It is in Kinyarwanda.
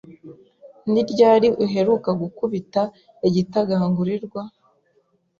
Ni ryari uheruka gukubita igitagangurirwa?